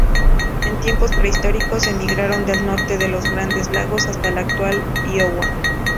En tiempos prehistóricos emigraron del Norte de los Grandes Lagos hasta la actual Iowa.